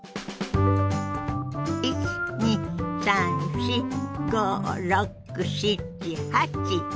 １２３４５６７８。